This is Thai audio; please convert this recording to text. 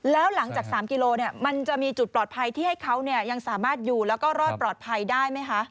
แล้วหลังจาก๓กิโลมันจะมีจุดปลอดภัยที่ให้เขายังสามารถอยู่แล้วก็รอดปลอดภัยได้ไหมคะ